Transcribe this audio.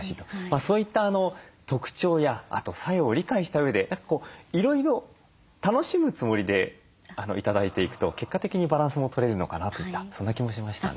そういった特徴や作用を理解したうえでいろいろ楽しむつもりで頂いていくと結果的にバランスもとれるのかなといったそんな気もしましたね。